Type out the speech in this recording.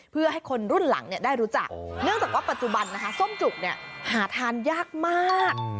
เพื่อให้คนรุ่นหลังได้รู้จักเนื่องจากว่าปัจจุบันนะคะส้มจุกเนี่ยหาทานยากมาก